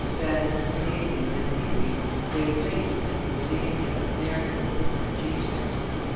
Bands of Canadians and Indians laid waste Pennsylvania, Maryland, and Virginia.